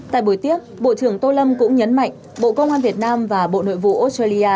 tại buổi tiếp bộ trưởng tô lâm cũng nhấn mạnh bộ công an việt nam và bộ nội vụ australia